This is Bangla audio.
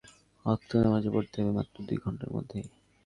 কিন্তু শীতকালের কিছুদিন পাঁচ ওয়াক্ত নামাজও পড়তে হবে মাত্র দুই ঘণ্টার মধ্যেই।